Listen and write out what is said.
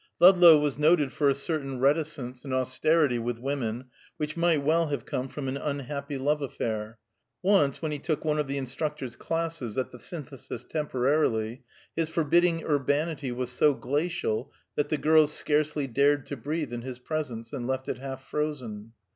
Ludlow was noted for a certain reticence and austerity with women, which might well have come from an unhappy love affair; once when he took one of the instructor's classes at the Synthesis temporarily, his forbidding urbanity was so glacial, that the girls scarcely dared to breathe in his presence, and left it half frozen.